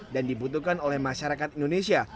dan dibutuhkan oleh masyarakat indonesia